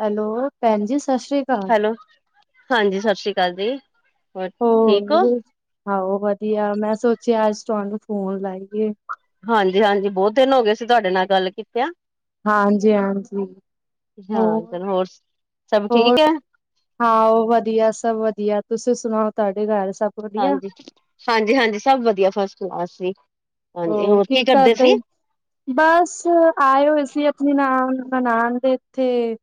Hello, ਭੈਣ ਜੀ ਸਤਿ ਸ੍ਰੀ ਅਕਾਲ। ਹੈਲੋ, ਹਾਂਜੀ, ਸਤਿ ਸ਼੍ਰੀ ਅਕਾਲ ਜੀ। ਹੋਰ ਠੀਕ ਹੋ? ਹੋਰ ਆਹੋ ਵਧੀਆ, ਮੈਂ ਸੋਚਿਆ ਅੱਜ ਤੁਹਾਨੂੰ ਫੋਨ ਲਾਈਏ? ਹਾਂਜੀ, ਹਾਂਜੀ ਬਹੁਤ ਦਿਨ ਹੋ ਗਏ ਸੀ, ਤੁਹਾਡੇ ਨਾਲ ਗੱਲ ਕੀਤਿਆ ਹਾਂਜੀ- ਹਾਂਜੀ ਹਾਂ ਹੋਰ ਚਲੋ ਸਭ -ਹੋਰ ਠੀਕ ਹੈ? ਹਾਂ ਓ ਵਦੀਆ, ਸਬ ਵਦੀਆ, ਤੂਸੀ ਸੁਨਾਓ ਤੂਆਡੇ ਘਾਰ ਸਬ ਹਾਂਜੀ, ਹਾਂਜੀ, ਹਾਂਜੀ ਸਬ ਵਦੀਆ, ਫਸ ਕਲਾਸ ਸੀ, ਹਾਂਜੀ ਹੋਰ ਕੀ ਕਰਦੇ ਸੀ? ਬਾੱਸ ਆਏ ਹੋਏ ਸੀ ਅਪਨੀ ਨਾਨ, ਨਨਾਨ ਦੇ ਇੱਥੇ।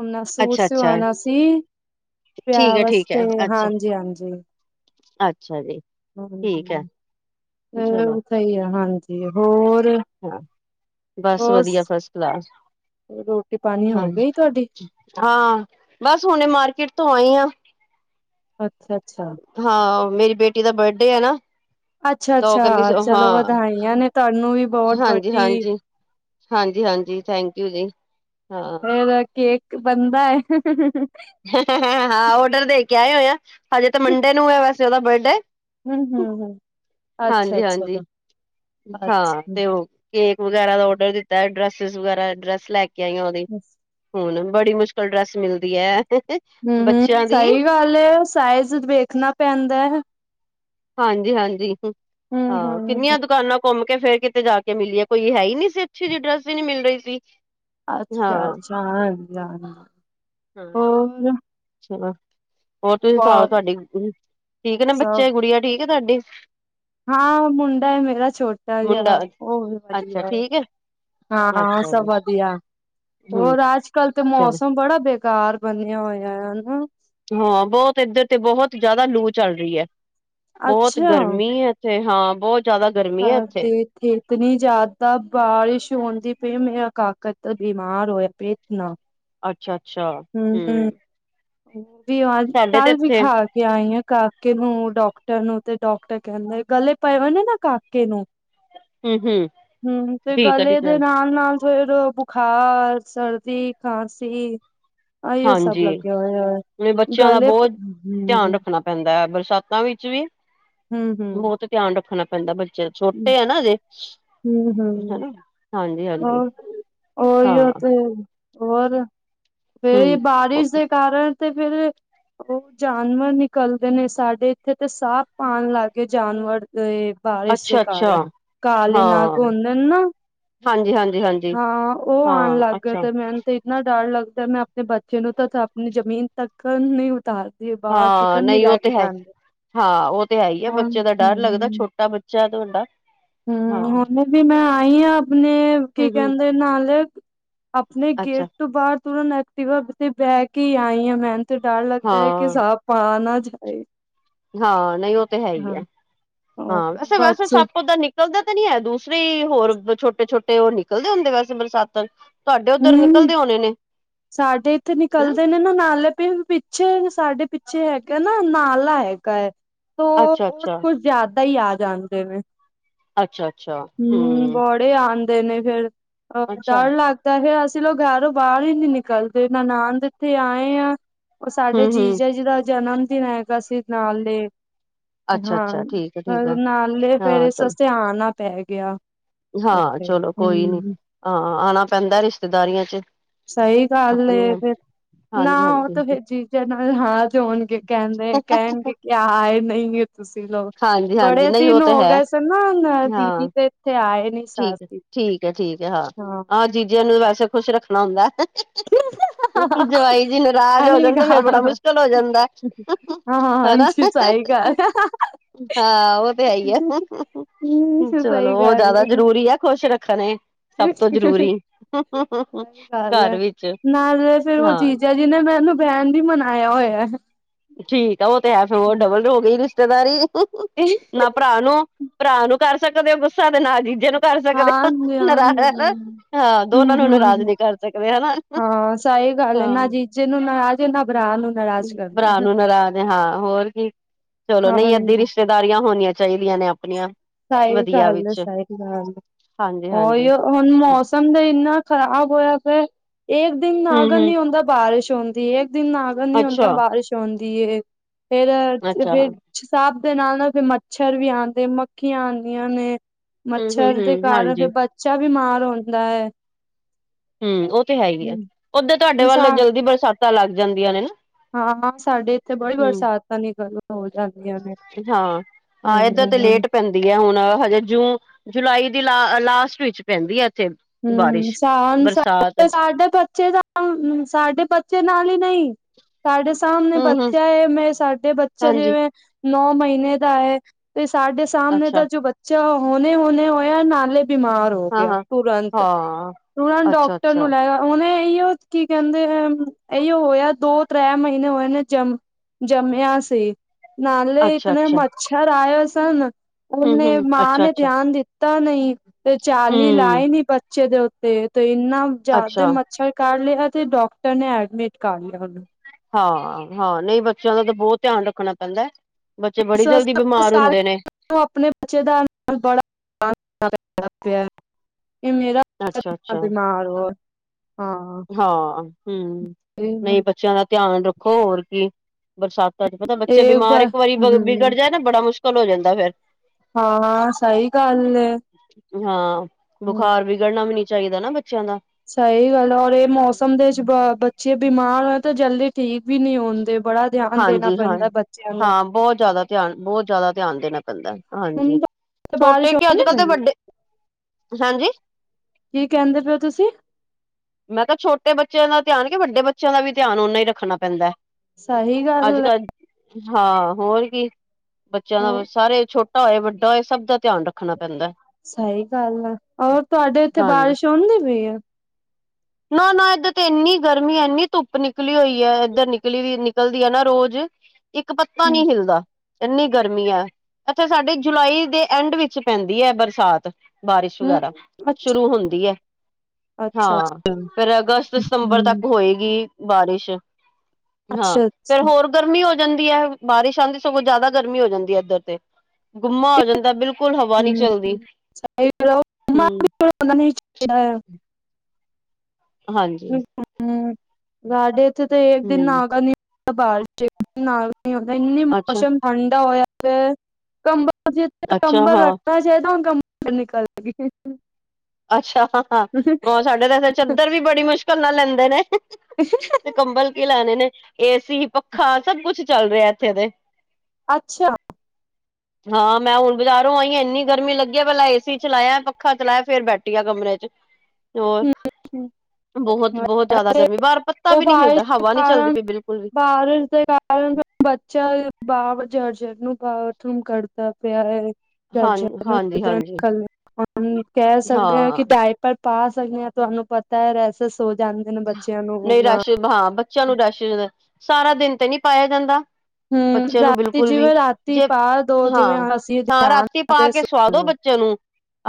ਅਪਨਾ ਸੂਟ ਅੱਛਾ-ਅੱਛਾ ਸਿਵਾਨਾ ਸੀ ਵਿਆ ਠੀਕ ਹੈ, ਠੀਕ ਵਸਤੇ ਤੇ ਹਾਂਜੀ, ਹਾਂਜੀ। ਅੱਛਾ ਜੀ। ਠੀਕ ਹੈ, ਹਾਂਜੀ, ਚਲੋ ਹੋਰ ਥਹੀ ਐ ਹਾਂਜੀ, ਹੋਰ? ਹਾਂ, ਬਾੱਸ ਹੋਰ ਵਦੀਆ ਫਸ ਕਲਾਸ, ਰੋਟੀ ਪਾਣੀ ਹਾਂ। ਹੋ ਗਈ ਤੁਹਾਡੀ ਹਾਂ, ਬਾਸ ਹੁਨੇ ਮਾਰਕੀਟ ਤੋਂ ਆਈ ਆ। ਅੱਛਾ, ਅੱਛਾ। ਹਾਂ, ਮੇਰੀ ਬੇਟੀ ਦਾ ਬਰਡੇ ਹੈ ਨਾ ਤ ਓ ਕੈਂਦੀ ਅੱਛਾ-ਅੱਛਾ ਸੀ ਚਲੋ ਹਾਂ, ਵਧਾਈਆਂ ਨੇ ਤੁਹਾਨੂੰ ਵੀ ਬਹੁਤ ਹਾਂਜੀ, ਵੱਡੀ ਹਾਂਜੀ। ਹਾਂਜੀ, ਹਾਂਜੀ ਥੈਂਕ ਯੂ ਜੀ। ਹਾਂ ਫੇਰ ਐ ਕੇਕ ਬੰਦਾ ਏ। [inaudible] ਔਡਰ ਦੇ ਕੇ ਆਏ ਹੋਏ ਓ, ਹਜੇ ਤੇ ਮੰਡੇ ਨੂੰ ਏ ਵੈਸੇ ਉਦਾ ਬਰਡੇ। ਹੂੰ-ਹੂੰ-ਹੂੰ ਹਾਂਜੀ, ਅੱਛਾ-ਅੱਛਾ ਹਾਂਜੀ ਹਾਂ ਅੱਛਾ ਤੇ ਓ ਕੇਕ ਵਗੈਰਾ ਦਾ ਔਡਰ ਦਿੱਤੈ, ਡਰੈਸੀਸ ਵਗੈਰਾ, ਡਰੈਸ ਲੈ ਕੇ ਆਈ ਆਂ ਓਦੀ। ਹੁਨ ਬੜੀ ਮੁਸ਼ਕਿਲ ਡਰੈਸ ਮਿਲਦੀ ਐ [inaudible] ਹੂੰ, ਹੂੰ ਸਈ ਗਾੱਲ ਏ ਸਾਇਜ਼ ਵੇਖਨਾ ਪੈਂਦੈ। ਹਾਂਜੀ, ਹਾਂਜੀ ਹਾਂ ਹੂੰ-ਹੂੰ ਕਿੰਨੀਆਂ ਦੁਕਾਨਾਂ ਘੁੰਮ ਕੇ ਫੇਰ ਕਿਤੇ ਜਾ ਕੇ ਮਿਲੀਏ, ਕੋਈ ਹੈ ਈ ਨੀ ਸੀ, ਅੱਛੀ ਜੀ ਡਰੈਸ ਈ ਨੀ ਮਿਲ ਰਈ ਸੀ। ਅੱਛਾ, ਹਾਂ ਅੱਛਾ ਹਾਂਜੀ, ਹਾਂਜੀ। ਹਾਂ, ਚਲੋ। ਹੋਰ ਤੂਸੀ ਸਾਓ ਬਹੁਤ ਤੂਆਡੀ ਠੀਕ ਨੇ ਸਭ ਬੱਚੇ, ਗੁੜੀਆ ਠੀਕ ਏ ਤੂਆਡੀ? ਹਾਂ ਮੁੰਡਾ ਏ ਮੇਰਾ ਛੋਟਾ ਜੇਆ, ਮੁੰਡਾ ਓ ਵੀ ਅੱਛਾ ਵਦੀਐ। ਠੀਕ ਹੈ ਹਾਂ ਓ ਅੱਛਾ ਸਬ ਜੀ ਵਦੀਆ, ਹਮ ਹੋਰ ਆਜ ਕਲ ਤੇ ਚਲੋ ਮੌਸਮ ਬੜਾ ਬੇ ਤਾਰ ਬਨੇਆ ਹੋਏਐ, ਹਨਾ? ਹਾਂ ਬੋਤ ਏਧਰ ਤੇ ਬੋਹਤ ਜਾਦਾ ਲੂ ਚੱਲ ਰੀ ਐ, ਬੋਹਤ ਅੱਛਾ ਗਰਮੀ ਐ। ਤੇ ਹਾਂ ਬੋਤ ਜਾਦਾ ਸਾ ਦੇ ਫਿਰ ਇਤਨੀ ਜਾਦਾ ਬਾਰਿਸ਼ ਹੁੰਦੀ ਪੀਏ, ਮੇਰਾ ਕਾਕਾ ਤਾ ਬੀਮਾਰ ਹੋਏਆ ਪੇਐ ਇਤਨਾ। ਅੱਛਾ, ਅੱਛਾ, ਹੂੰ। ਵੀ ਅਜ, ਕਲ ਵੇਖਾ ਲਿਆਈ ਆਂ ਕਾਕੇ ਨੂੰ ਡਾਕਟਰ ਨੂੰ ਤੇ ਡਾਕਟਰ ਕੈਂਦੇ, ਗਲੇ ਪਏ ਹੋਏ ਨੇ ਨਾ ਕਾਕੇ ਨੂੰ ਹਮ ਹਮ ਹੂੰ, ਤੇ ਠੀਕ ਹੈ ਗਲੇ ਠੀਕ ਹੈ ਦੇ ਨਾਲ-ਨਾਲ ਫੇਰ ਬੁਖ਼ਾਰ, ਸਰਦੀ, ਖਾਂਸੀ ਆਈਓ ਸਭ ਹਾਂਜੀ, ਲੱਗਿਆ ਹੋਇਆ ਹੈ ਮੇ ਬੱਚੇਆਂ ਦਾ ਗਲੇ ਬੋਤ ਧੇਆਨ ਹੂੰ। ਰੱਖਨਾ ਪੈਂਦੈ, ਬਰਸਾਤਾਂ ਵਿੱਚ ਵੀ ਹੂੰ-ਹੂੰ। ਬੋਤ ਧੇਆਨ ਰੱਖਨਾ ਪੈਂਦੈ ਬਚ ਚ ਛੋਟੇ ਐ ਨਾ ਅਜੇ, ਹੂੰ। ਓ, ਓਈਓ ਤੇ ਹੋਰ ਹਮ ਫੇਰ ਬਾਰਿਸ਼ ਦੇ ਕਾਰਨ ਤੇ ਫਿਰ ਓ ਜਾਨਵਰ ਨਿਕਲਦੇ ਨੇ ਸਾਡੇ ਇੱਥੇ ਤੇ ਸਾੱਪ ਆਨ ਲਾੱਗ ਗਏ ਜਾਨਵਰ ਏ ਬਾਰਿਸ਼ ਦੇ ਅੱਛਾ ਅੱਛਾ ਕਾਰਨ, ਕਾਲੇ ਹਾਂ ਨਾਗ ਹੁੰਦੇ ਨਾ। ਹਾਂਜੀ, ਹਾਂਜੀ, ਹਾਂਜੀ। ਹਾਂ, ਓ ਆਨ ਹਾਂ ਲਾੱਗ ਗਏ ਅੱਛਾ ਤੇ ਮੈਂਨ ਤੇ ਇਤਨਾ ਡਰ ਲਗਦੈ, ਮੈਂ ਅਪਨੇ ਬੱਚੇ ਨੂੰ ਤਾ ਅਪਨੀ ਜਮੀਨ ਤੱਕਨ ਨੀ ਉਤਾਰ ਹਾਂ ਨਈ ਓ ਤੇ ਹੈ, ਹਾਂ ਓ ਤੇ ਹੈਈ ਏ, ਹੁਣ ਬੱਚੇ ਦਾ ਡਾਰ ਲਗਦੈ ਹੂੰ ਛੋਟਾ ਬੱਚ ਬੱਚੈ ਤੂਆਡਾ। ਹੂੰ, ਹੋਨ ਵੀ ਮੈਂ ਆਈ ਆਂ ਅਪਨੇ ਕੀ ਹੂੰ-ਹੂੰ, ਕੈਂਦੇ ਨਾਲ ਅਪਨੇ ਅੱਛਾ ਗੇਟ ਤੋ ਬਾਰ ਤੁਰੰਨ ਐਕਟੀਵਾ ਤੇ ਬੈਕੇ ਈ ਆਈ ਆਂ ਮੈਨ ਤੇ ਡਾਰ ਲਗਦੈ ਕਿ ਹਾਂ, ਸਾੱਪ ਆ ਨਾ ਜਾਏ। ਹਾਂ ਨਈ ਓ ਤਾਂ ਹੈ ਈ ਹਾਂ। ਐ, ਉਹ ਹਾਂ ਵੈਸੇ ਬਸ ਸੱਪ ਤਾਂ ਨਿਕਲ ਨਿਕਲਦੇ ਤੇ ਨੀ ਹੈ, ਦੂਸਰੇ ਹੀ ਹੋਰ ਛੋਟੇ-ਛੋਟੇ ਓ ਨਿਕਲਦੇ ਹੁੰਦੇ ਵੈਸੇ ਬਰਸਾਤਾਂ 'ਚ। ਤੁਹਾਡੇ ਓਧਰ ਹੂੰ ਨਿਕਲਦੇ ਹੋਣੇ ਨੇ। ਸਾਡੇ ਏਥੇ ਹਨਾ ਨਿਕਲਦੇ ਨੇ। ਹੁਨ ਨਾਲੇ ਪੇ ਪਿੱਛੇ, ਸਾਡੇ ਪਿੱਛੇ ਹੈਗਾ ਨਾ ਨਾਲਾ ਹੈਗਾ ਏ। ਤੋਂ ਓ ਅੱਛਾ-ਅੱਛਾ, ਕੁਛ ਜ਼ਿਆਦਾ ਹੀ ਆ ਜਾਂਦੇ ਨੇ ਹੂੰ, ਬੋਤ ਏ ਆਂਦੇ ਨੇ ਫੇਰ, ਅਹ ਅੱਛਾ ਡਰ ਲੱਗਦਾ ਫਿਰ ਅਸੀਂ ਲੋਗ ਘਰੋਂ ਬਾਰ ਈ ਨਈ ਨਿਕ ਕਲਦੇ ਨਨਾਨ ਦੇ ਏਥੇ ਆਏ ਆਂ, ਓ ਸਾਡੇ ਹੂੰ-ਹੂੰ, ਜੀਜਾ ਜੀ ਦਾ ਜਨਮ ਦਿਨ ਐ। ਅਸੀ ਨਾਲੇ, ਹਾਂ ਅੱਛਾ-ਅੱਛਾ ਠੀਕ ਆ ਠੀਕ ਆ ਨਾਲੇ ਫੇਰ ਹਾਂ ਇਸ ਚਲੋ ਵਸਤੇ ਆਨਾ ਪੈ ਗਿਆ ਹਾਂ ਇੱਥੇ। ਚਲੋ ਕੋਈ ਨੀ, ਹੂੰ। ਹਾਂ ਆਣਾ ਪੈਂਦਾ ਰਿਸ਼ਤੇਦਾਰੀਆਂ 'ਚ। ਕੱਲ ਏ ਆਪਣੀਆਂ ਫੇਰ ਨਾ ਓ ਹਾਂਜੀ-ਹਾਂਜੀ, ਤਾਂ ਫਿਰ ਜੀਜਾ ਨਾਲ ਹਾਲ ਜੋਨਗੇ ਕਹਿੰਦੇ ਕਹਿਨਗੇ [unintelligible] ਆਏ ਨੀ ਐ ਤੁਸੀਂ ਲੋਗ, ਹਾਂਜੀ-ਹਾਂਜੀ ਬੜੇ ਨਹੀਂ ਦਿਨ ਉਹ ਤੇ ਹੋ ਹੈ ਗਏ ਸਨ ਨਾ ਹਾਂ ਦੀਦੀ ਤੇ ਏਥੇ ਆਏ ਨੀ ਸਾਂ ਠੀਕ ਹੈ, ਅਸੀਂ। ਠੀਕ ਐ, ਠੀਕ ਐ ਹਾਂ ਆਹ ਜੀਜਿਆਂ ਨੂੰ ਵੈਸੇ ਖੁਸ਼ ਰੱਖਣਾ ਹੁੰਦਾ। [inaudible] ਜਵਾਈ [unintelligible] ਜੀ ਨਾਰਾਜ਼ ਹੋ ਜਾਣ ਤੇ ਫੇਰ ਬੜਾ ਮੁਸ਼ਕਿਲ ਹੋ ਜਾਂਦਾ। ਹਾਂ ਹਨਾ ਸਈ ਗੱਲ ਹਾਂ ਓ ਤੇ ਹੈ ਈ ਐ, ਹੂੰ ਸਹੀ ਚਲੋ ਓ ਜਾਦਾ ਗੱਲ। ਜ਼ਰੂਰੀ ਐ ਖੁਸ਼ ਰੱਖਣੇ। ਸਭ ਤੋਂ ਜਰੂਰੀ, ਸਹੀ ਗੱਲ ਹੈ ਘਰ ਵਿੱਚ। ਨਾਲੇ ਫੇਰ ਓ ਹਾਂ ਜੀਜਾ ਜੀ ਨੇ ਮੈਨੂੰ ਬਹਿਨ ਵੀ ਮਨਾਇਆ ਹੋਇਆ। ਠੀਕ ਆ ਉਹ ਤੇ ਹੈ ਫਿਰ ਉਹ ਡਬਲ ਹੋ ਗਈ ਰਿਸ਼ਤੇਦਾਰੀ ਨਾ ਭਰਾ ਨੂੰ ਭਰਾ ਨੂੰ ਕਰ ਸਕਦੇ ਹੋ ਗੁੱਸਾ ਤੇ ਨਾ ਜੀਜੇ ਨੂੰ। ਕਰ ਸਕਦੇ ਹਾਂ, ਹਾਂਜੀ ਹਾਂਜੀ ਨਾਰਜ਼ [unintelligible] ਹਾਂ ਦੋਨਾਂ ਹੂੰ ਨੂੰ ਨਾਰਾਜ਼ ਹੂੰ ਨੀ ਕਰ ਸਕਦੇ ਹਨਾ। ਹਾਂ ਸਹੀ ਗੱਲ ਏ, ਹਾਂ। ਨਾ ਜੀਜੇ ਨੂੰ ਨਾਰਾਜ਼ ਨਾ ਬਰਾ ਨੂੰ ਨਾਰਾਜ਼ ਕਰ ਭਰਾ ਨੂੰ ਨਰਾ ਦੇ ਹਾਂ ਹੋਰ ਕੀ ਚਲੋ ਨਹੀਂ ਅੱਧੀ ਰਿਸ਼ ਹਾਂਜੀ ਰਿਸ਼ਤੇਦਾਰੀਆਂ ਹੋਨੀਆਂ ਚਾਈਦੀਆਂ ਨੇ ਆਪਨੀਆਂ। ਸਹੀ ਗੱਲ ਏ, ਸਹੀ ਗੱਲ ਏ, ਹਾਂਜੀ ਹਾਂਜੀ ਓਇਓ ਹੁਨ ਮੌਸਮ ਤਾਂ ਇੰਨਾ ਖ਼ਰਾਬ ਹੋਇਆ ਪਇਆ ਏ ਇੱਕ ਦਿਨ ਹੂੰ ਨਾਗਾ ਹੂੰ ਨੀ ਹੁੰਦਾ ਬਾਰਿਸ਼ ਹੋਂਦੀ ਏ, ਇੱਕ ਦਿਨ ਨਾਗਾ ਨੀ ਹੁੰਦਾ ਅੱਛਾ ਬਾਰਿਸ਼ ਹੋਂਦੀ ਏ। ਫੇਰ ਅੱਛਾ ਫਿਰ ਸਾਬ ਦੇ ਨਾਲ ਨਾਲ ਫਿਰ ਮੱਛਰ ਵੀ ਆਂਦੇ ਨੇ, ਮੱਖੀਆਂ ਆਂਦੀਆਂ ਨੇ। ਹੂੰ ਹੂੰ ਮੱਛਰ ਹੂੰ ਦੇ ਕਾਰਨ ਹਾਂਜੀ ਫਿਰ ਬੱਚਾ ਬਿਮਾਰ ਹੁੰਦਾ ਐ। ਹੂੰ, ਓ ਤੇ ਹੈ ਹੀ ਏ, ਓਧਰ ਤੁਹਾਡੇ ਵੱਲ ਸਾ ਜਲਦੀ ਬਰਸਾਤਾਂ ਲੱਗ ਜਾਂਦੀਆਂ ਨੇ ਨਾ। ਹਾਂ-ਹਾਂ, ਸਾਡੇ ਏਥੇ ਬੜੀ ਹੂੰ ਬਰਸਾਤ [unintelligible] ਹੋ ਜਾਂਦੀਆਂ ਨੇ। ਹਾਂ ਹੂੰ ਹਾਂ ਏਧਰ ਹੂੰ ਤੇ ਹੂੰ। ਲੇਟ ਪੈਂਦੀ ਐ ਹੁਨ ਹਜੇ ਜੂਨ, ਜੁਲਾਈ ਦੀ ਲਾ ਲਾਸਟ ਵਿੱਚ ਪੈਂਦੀ ਐ ਏਥੇ। ਹੂੰ, ਸਾਲ [unintelligible] ਬੱਚੇ ਦਾ ਸਾਡੇ [unintelligible] ਨਾਲ ਈ ਨਈ ਸਾਡੇ ਸਾਹਮਣੇ ਹੂੰ ਹੂੰ ਬੱਚਾ ਹੈ ਮੈਂ ਸਾਡੇ ਬੱਚੇ ਹਾਂਜੀ ਜਿਵੇਂ ਨੌ ਮਹੀਨੇ ਦਾ ਏ ਤੇ ਸਾਡੇ ਸਾਹਮਣੇ ਅੱਛਾ ਦਾ ਜੋ ਬੱਚ ਚਾ ਹੋਨੇ-ਹੋਨੇ ਹੋਏਆ, ਨਾਲੇ ਬਿਮਾਰ ਹੋ ਹਾਂ ਗਿਆ। ਹਾਂ ਤੁਰੰਤ, ਹਾਂ ਤੁਰੰਤ ਅੱਛਾ ਡਾਕਟਰ ਨੂੰ ਅੱਛਾ ਲੈ ਓਨੇ ਇਓ ਕੀ ਕਹਿੰਦੇ [unintelligible] ਅਇਓ ਹੋਇਆ ਦੋ-ਤ੍ਰੈ ਮਹੀਨੇ ਹੋਏ ਨੇ ਜਮ ਜਮਿਆ ਸੀ, ਨਾਲੇ ਅੱਛਾ ਇਤਨੇ ਅੱਛਾ ਮੱਛਰ ਆਏ ਸਨ। ਹੂੰ ਹੂੰ ਓਨੇ ਮਾਂ ਅੱਛਾ ਨੇ ਅੱਛਾ ਧਿਆਨ ਦਿੱਤ ਤਾ ਨੀ ਤੇ ਜਾਲੀ ਹੂੰ, ਲਾਈ ਨੀ ਬੱਚੇ ਦੇ ਉੱਤੇ, ਤੇ ਇੰਨਾ ਜਾਦਾ ਅੱਛਾ ਮੱਛ ਛਰ ਕੱਟ ਲਿਆ ਤੇ ਡਾਕਟਰ ਨੇ ਐਡਮਿਟ ਕਰ ਲਿਆ ਓਨੂੰ। ਹਾਂ-ਹਾਂ ਨਹੀਂ ਬੱਚਿਆਂ ਦਾ ਤਾਂ ਬੋਤ ਧਿਆਨ ਰੱਖਣਾ ਪੈਂਦਾ ਐ। ਬੱਚੇ ਬੜੀ ਜਲਦੀ ਉਸ ਬਿਮਾਰ ਹੁੰਦੇ ਨੇ। [unintelligible] ਆਪਣੇ ਬੱਚੇ ਦਾ ਬੜਾ [unintelligible] ਹੁਨ ਮੇਰਾ ਅੱਛਾ-ਅੱਛਾ [unintelligible] ਹੋਰ ਹਾਂ ਹੂੰ ਨਹੀਂ ਇਹ ਬੱਚਿਆਂ ਦਾ ਧਿਆਨ ਰੱਖੋ ਹੋਰ ਕੀ। ਬਰਸਾਤਾਂ ਚ ਪਤਾ ਬੱਚੇ ਬਿਮਾਰ ਇੱਕ ਵਾਰੀ ਹਮ ਵਿਗੜ ਜਾਏ ਨਾ ਬੜਾ ਮੁਸ਼ਕਲ ਹੋ ਜਾਂਦਾ ਫੇਰ ਹਾਂ-ਹਾਂ ਸਹੀ ਗੱਲ ਐ। ਹਾਂ ਬਖਾਰ ਵਿਗੜਨਾ ਵੀ ਨੀ ਚਾਈਦਾ ਨਾ ਬੱਚਿਆਂ ਦਾ। ਸਹੀ ਗੱਲ ਔਰ ਇਹ ਮੌਸਮ ਦੇ ਵਿੱਚ ਬ ਬੱਚੇ ਬਿਮਾਰ ਹੋਏ ਤੇ ਜਲਦੀ ਠੀਕ ਵੀ ਨਹੀਂ ਹੁੰਦੇ ਬੜਾ ਧਿਆਨ ਦੇਣਾ ਹਾਂਜੀ, ਪੈਂਦਾ ਬੱਚਿਆਂ ਨੂੰ ਹਾਂ-ਹਾਂ ਬਹੁਤ ਜ਼ਿਆਦਾ ਧਿਆਨ ਬਹੁਤ ਜ਼ਿਆਦਾ ਧਿਆਨ ਦੇਣਾ ਪੈਂਦਾ ਹਾਂਜੀ। ਹੁਣ ਤਾਂ ਛੋਟੇ ਬਾਰਿਸ਼ ਕਿ ਆਉਂਦੀ ਅੱਜ-ਕੱਲ੍ਹ ਤਾਂ ਪਈ ਵੱਡੇ ਹਾਂਜੀ ਕੀ ਕਹਿੰਦੇ ਪਏ ਓ ਤੁਸੀ? ਮੈਂ ਕਿਹਾ ਛੋਟੇ ਬੱਚਿਆਂ ਦਾ ਧਿਆਨ ਕਿ ਵੱਡੇ ਬੱਚਿਆਂ ਦਾ ਵੀ ਧਿਆਨ ਨਾ ਹੀ ਰੱਖਣਾ ਪੈਂਦਾ ਐ। ਸਹੀ ਗੱਲ ਹੈ ਅੱਜ-ਕੱਲ ਹਾਂ ਹੋਰ ਕੀ ਬੱਚੇਆਂ ਹੋ ਦਾ ਸਾਰੇ ਛੋਟਾ ਹੋਏ ਵੱਡਾ ਹੋਏ ਸਭ ਦਾ ਧਿਆਨ ਰੱਖਣਾ ਪੈਂਦਾ। ਸਹੀ ਗੱਲ ਆ, ਔਰ ਤੁਹਾਡੇ ਇੱਥੇ ਹਾਂਜੀ ਬਾਰਿਸ਼ ਆਉਂਦੀ ਪਈ ਆ? ਨਾ-ਨਾ ਇੱਧਰ ਤੇ ਇੰਨੀ ਗਰਮੀ ਐ। ਇੰਨੀ ਧੁੱਪ ਨਿਕਲੀ ਹੋਈ ਹੈ ਇੱਧਰ ਨਿਕਲੀ ਵੀ ਨਿਕਲਦੀ ਹੈ ਨਾ ਰੋਜ਼। ਇੱਕ ਪੱਤਾ ਨਈ ਹਿਲਦਾ। ਏਨੀ ਗਰਮੀ ਐ ਅੱਛਾ ਸਾਡੇ ਜੁਲਾਈ ਦੇ ਐਂਡ ਵਿੱਚ ਪੈਂਦੀ ਐ ਬਰਸਾਤ। ਬਾਰਿਸ਼ ਹਮ ਵਗੈਰਾ ਸ਼ੁਰੂ ਅੱਛਾ ਹੁੰਦੀ ਐ। ਅੱਛਾ ਹਾਂ ਅੱਛਾ ਫੇਰ ਅਗਸਤ, ਸਤੰਬਰ ਹਮ ਤੱਕ ਹੋਏਗੀ। ਬਾਰਿਸ਼ ਹਾਂ ਅੱਛਾ ਫੇਰ ਅੱਛਾ ਹੋਰ ਗਰਮੀ ਹੋ ਜਾਂਦੀ ਐ ਬਾਰਿਸ਼ ਆਉਂਦੀ ਸਗੋਂ ਜਿਆਦਾ ਗਰਮੀ ਹੋ ਜਾਂਦੀ ਐ ਇੱਧਰ ਤੇ ਗੁੰਮਾ ਹੋ ਜਾਂਦਾ ਬਿਲਕੁਲ ਹੁਨ ਹਵਾ ਨੀ ਹਮ ਚੱਲਦੀ ਸਹੀ ਗੱਲ ਆ ਉਹ ਹੂੰ [unintelligible] ਹਾਂਜੀ। [unintelligible] ਹੂੰ ਨਾਲ ਨ ਆਉਂਦਾ ਇੰਨੀ ਅੱਛਾ ਮੌਸਮ ਠੰਡਾ ਹੋਇਆ ਪਿਆ ਅੱਛਾ ਕੰਬਲ ਹਾਂ [unintelligible] ਨਿਕਲ [unintelligible] ਅੱਛਾ ਹਾਅ ਹਾਂਅ, ਓਹ ਸਾਡੇ ਤੇ ਇੱਥੇ ਚੱਦਰ ਵੀ ਬੜੀ ਮੁਸ਼ਕਲ ਨਾਲ ਲੈਂਦੇ ਨੇ ਤੇ [inaudible] ਕੰਬਲ ਕੀ ਲੈਣੇ ਨੇ, ਏਸੀ, ਪੱਖਾ ਸਭ ਕੁੱਛ ਚੱਲ ਰਿਆ ਇੱਥੇ ਤੇ ਅੱਛਾ। ਹਾਂ, ਮੈਂ ਹੁਣ ਬਜਾਰੋਂ ਆਈਂ ਐ। ਐਂਨੀ ਗਰਮੀ ਲੱਗੀ ਐ ਪੈਲਾਂ ਏਸੀ ਚਲਾਇਆ, ਪੱਖਾ ਚਲਾਇਆ ਫੇਰ ਬੈਠੀ ਆ ਕਮਰੇ ਚ ਹੋਰ। ਬੋਹਤ ਬੋਤ ਜਿਆਦਾ ਗਰਮੀ ਬਾਹਰ ਪੱਤਾ ਉਹ ਵੀ ਨੀ ਹਿਲਦਾ ਬਾਰਿਸ਼ ਦੇ ਹਵਾ ਨੀ ਚੱਲਦੀ ਕਾਰਨ ਪਈ ਬਿਲਕੁਲ ਵੀ। ਬਾਰਿਸ਼ ਦੇ ਕਾਰ ਕਲ ਦਾ ਬੱਚਾ ਬਵ ਜਰ-ਜਰ ਨੂੰ ਬਾਥਰੁਮ ਕਰਦਾ ਪਿਆ ਏ। ਹਾਂ ਹਾਂਜੀ ਹਾਂਜੀ ਕੈ ਸਕਦੇ ਆਂ ਕਿ ਹਾਂ ਡਾਈਪਰ ਪਾਸ- ਤਾਇਓ ਤੁਹਾਨੂੰ ਪਤਾ ਰੈਸਿਸ ਸੋ ਜਾਂਦੇ ਨੇ ਬੱਚੇਆਂ ਨੂੰ, ਨਾ ਬ ਹਾਂ ਬ [inaudible] ਬੱਚਿਆਂ ਨੂੰ ਰਸ਼ ਸਾਰਾ ਦਿਨ ਤੇ ਨਈ ਪਾਇਆ ਜਾਂਦਾ। ਹੂੰ, ਬੱਚੇ ਨੂੰ ਰਾਤੀ ਬਿਲਕੁੱਲ ਵੀ ਜਿਵੇਂ ਰਾਤੀ ਜੇ ਪਾ ਦੋ ਜਿਵੇਂ ਅਸੀਂ ਹਾਂ-ਹਾਂ ਧਿਆਨ ਰਾਤੀ ਪਾ ਦੇ ਕੇ ਸਵਾਦੋ ਸੁਣੋ ਬ ਚਿਆਂ ਨੂੰ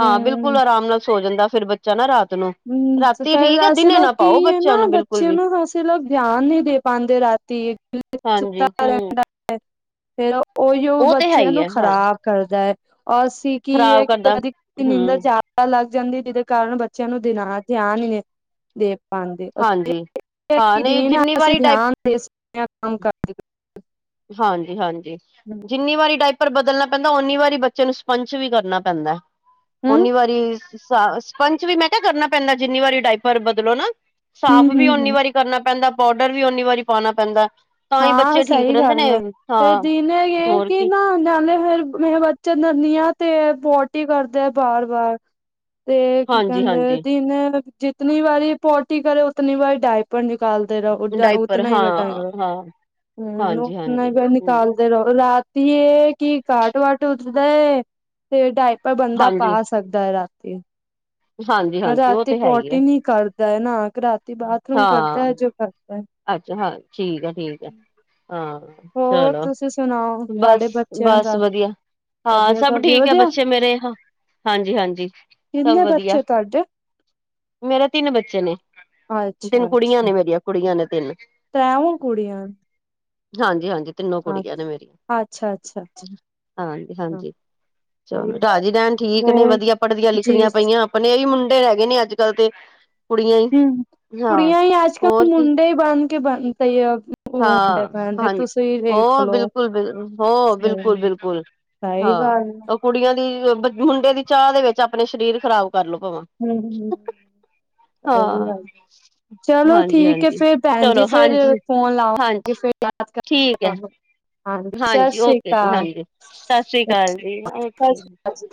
ਹਾਂ ਬਿਲਕੁਲ ਆਰਾਮ ਨਾਲ ਸੋ ਜਾਂਦਾ ਫੇਰ ਬੱਚੇ ਬੱਚਾ ਨਾ ਰਾਤ ਨੂੰ, ਰਾਤੀ ਠੀਕ ਐ ਦਿਨੇ ਨਾ ਪਾਓ ਬੱਚਿਆਂ ਨੂੰ ਬਿਲਕੁਲ ਬੱਚਿਆਂ ਵੀ ਨੂੰ ਅਸੀਂ ਲੋਕ ਦੇਆਨ ਨੀ ਦੇ ਪਾਂਦੇ। ਰਾਤੀ ਸੁੱਤਾ ਹਾਂਜੀ ਹਮ ਰੈਂਦਾ ਫੇਰ ਉਇੳ ਉਹ ਤੇ ਹੈ ਬੱਚੇਆਂ ਹੀ ਨੂੰ ਹੈ ਹਾਂ ਖ਼ਰਾਬ ਕਰਦਾ ਐ। ਅਸੀਂ ਕੀ ਐ ਖ਼ਰਾਬ ਕਿ ਕਰਦਾ ਕਦੀ ਨੀਂਦਰ ਹਮ ਜਾਦਾ ਲੱਗ ਜਾਂਦੀ ਜੀਦੇ ਕਾਰਨ ਬ ਬੱਚਿਆਂ ਨੂੰ ਦਿਨਾ ਐ ਧਿਆਨ ਨੀ ਏ ਦੇ [unintelligible] ਹਾਂਜੀ ਹਾਂ ਅਸੀਂ ਨਹੀਂ ਜਿੰਨੀ ਵਾਰੀ ਡਾਇ ਧੇਆਨ ਦੇ ਸਕਦੇ ਆ ਕੰਮ ਕਰਦੀ [inaudible] ਹਾਂਜੀ-ਹਾਂਜੀ ਜਿੰਨੀ ਵਾਰੀ ਡਾਈਪਰ ਬਦਲਣਾ ਪੈਂਦਾ ਓਨੀ ਵਾਰੀ ਬੱਚੇ ਨੂੰ ਸਪੰਚ ਵੀ ਕਰਨਾ ਪੈਂਦਾ, ਹੂੰ, ਓਨੀ ਵਾਰੀ ਸਾ, ਸਪੰਚ ਵੀ ਮੈਂ ਕੇਆ ਕਰਨਾ ਪੈਂਦਾ ਜਿੰਨੀ ਵਾਰੀ ਡਾਈਪਰ ਬਦਲੋ ਨਾਂ, ਹੂੰ, ਸਾਫ਼ ਹੂੰ, ਵੀ ਓਨੀ ਹੂੰ। ਵਾਰੀ ਕਰਨਾ ਪੈਂਦਾ ਪਾਊਡਰ ਵੀ ਉਨੀ ਵਾਰੀ ਪਾਉਣਾ ਪੈਂਦਾ ਤਾਂ ਈ ਹਾਂ ਬੱਚੇ ਠੀਕ ਸਹੀ ਰਹਿੰਦੇ ਗੱਲ ਨੇ ੲ ਫਿਰ ਹਾਂ ਦੀਨੇ ਹੋਰ ਕਿ ਕੀ ਨਾ ਨਾਲੇ ਫੇਰ ਮੇਰੇ ਬਚ ਚਨਨੀਆਂ ਤੇ ਪੋਟੀ ਕਰਦਾ ਏ ਬਾਰ-ਬਾਰ। ਤੇ ਕਿ ਹਾਂਜੀ ਕਹਿੰਦੇ ਨੇ ਹਾਂਜੀ ਜਿੰਨੇ ਜਿਤਨੀ ਵਾਰੀ ਪੋਂਟੀ ਕਰੇ ਉਤਨੀ ਵਾਰੀ ਡਾਇਪਰ ਡਾਇਪਰ ਹਾਂ ਹਾਂ ਹਾਂਜੀ ਹਾਂਜੀ ਹਮ [unintelligible] ਰਾਤੀ ਏ ਕੀ ਕਾਟ ਵਾਟ ਉੱਠਦਾ ਏ ਫਿਰ ਡਾਈਪਰ ਬੰਦਾ ਹਾਂਜੀ ਪਾ ਸਕਦਾ ਐ ਰਾਤੀ। ਹਾਂਜੀ ਹਾਂਜੀ ਉਹ ਰਾਤੀ ਤੇ ਹੈ ਹੀ ਹੈ ਪੋਟੀ ਨੀ ਕਰ ੲ ਨਾ ਆਕੇ ਰਾਤੀ ਬਾਥਰੂਮ ਹਾਂ ਕਰਤਾ ੲ ਜਬ ਕਰਦਾ ਏ। ਅੱਛਾ, ਹਾਂ ਠੀਕ ਐ ਠੀਕ ਆਂ, ਹੋਰ ਚਲੋ, ਤੁਸੀਂ ਸੁਣਾਓ ਤੁਹਾਡੇ ਬੱਚਿਆਂ ਦਾ ਬਸ-ਬਸ ਵਧੀਆ। ਹਾਂ ਤਬੀਅਤ ਸਭ ਵੀ ਠੀਕ ਏ ਵਧੀਆ ਬੱਚੇ ਮੇਰੇ ਹਾਂ ਹਾਂਜੀ-ਹਾਂਜੀ ਸਭ ਕਿੰਨੇ ਵਦਿਆ। ਬੱਚੇ ਤੁਹਾਡੇ ਮੇਰੇ ਤਿੰਨ ਬੱਚੇ ਨੇ ਅੱਛਾ ਤਿੰਨ ਕੁੜੀਆਂ ਨੇ ਮੇਰੀਆਂ ਕੁੜੀਆਂ ਨੇ ਤਿੰਨ। ਤੈ੍ ਓ ਕੁੜੀਆਂ? ਹਾਂਜੀ-ਹਾਂਜੀ ਤਿੰਨੋ ਕੁੜੀਆਂ ਅੱਛਾ ਨੇ ਮੇਰੀ ਅੱਛਾ ਅੱਛਾ ਅੱਛਾ, ਹਾਂਜੀ-ਹਾਂਜੀ। ਸਹੀ ਚਲੋ ਗੱਲ ਰਾਜੀ ਰੈਨ ਠੀਕ ਨੇ ਹੋਰ ਵਦਿਆ ਪੜ੍ਹਦੀਆਂ ਜੀ ਲਿਖਦੀਆਂ ਪਈਆਂ। ਆਪਣੇ ਹੀ ਮੁੰਡੇ ਹੈਗੇ ਨੇ ਅੱਜ-ਕੱਲ ਤੇ ਕੁੜੀਆਂ ਈ ਹਮ ਕੁੜੀਆਂ ਈ ਅੱਜ-ਕਲ੍ਹ ਮੁੰਡੇ ਹੀ ਬਣ‌ ਕੇ ਬਣ [unintelligible] ਓ ਹਾਂ ਪੈਨ ਹਾਂਜੀ ਤੁਸੀਂ ਵੇਖ ਹੋ ਲੋ ਬਿਲਕੁਲ ਬਿਲ ਹੋ ਸਈ ਸਹੀ ਗੱਲ ਆ ਉ ਕੁੜੀਆਂ ਦੀ ਮੁੰਡੇ ਦੀ ਚਾਅ ਦੇ ਵਿੱਚ ਆਪਨੇ ਸ਼ਰੀਰ ਖ਼ਰਾਬ ਕਰਲੋ ਭਵਾ। ਹੂੰ-ਹੂੰ। ਸਈ ਹਾਂ ਗੱਲ ਚਲੋ ਹਾਂਜੀ ਠੀਕ ਏ ਹਾਂਜੀ ਫੇਰ ਭੈਨ ਜੀ ਚਲੋ ਫੇਰ ਹਾਂਜੀ ਫੋਨ ਲਾਵ ਹਾਂਜੀ ਠੀਕ ਹੈ [inaudible] ਹਾਂਜੀ ਓਕੇ ਜੀ ਹਾਂਜੀ ਸਤਿ ਸ੍ਰੀ ਅਕਾਲ ਜੀ ਸਤਿ ਓਕੇ ਸ੍ਰੀ ਅਕਾਲ ਜੀ